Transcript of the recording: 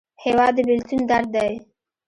هېواد د بېلتون درد دی.